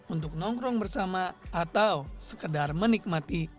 untuk nongkrong bersama atau sekedar menikmati